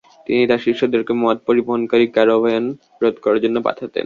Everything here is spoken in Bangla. তিনি তার শিষ্যদেরকে মদ পরিবহনকারী ক্যারাভেন রোধ করার জন্য পাঠাতেন।